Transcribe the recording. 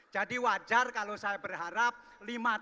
jadi wajar kalau saya berharap lima tahun